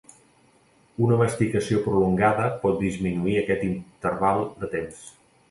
Una masticació prolongada pot disminuir aquest interval de temps.